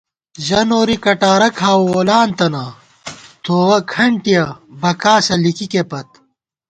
ژہ نوری کٹارہ کھاوَہ وولانتَنہ، تھووَہ کھنٹِیَہ بَکاسہ لِکِکےپت